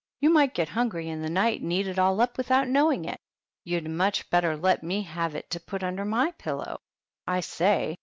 " You might get hungry in the night and eat it all up without knowing it. You'd much better let me have it to put under my pillow. I say!